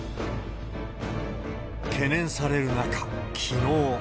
懸念される中、きのう。